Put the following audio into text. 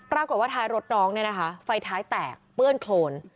ท้ายรถน้องเนี่ยนะคะไฟท้ายแตกเปื้อนโครน